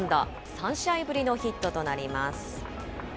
３試合ぶりのヒットとなります。